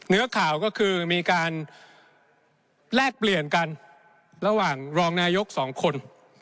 เนื้อข่าวก็คือมีการแลกเปลี่ยนกันระหว่างรองนายกสองคน